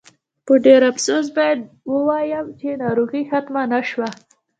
په ډېر افسوس باید ووایم چې ناروغي ختمه نه شوه.